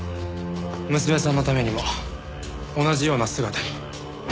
娘さんのためにも同じような姿に。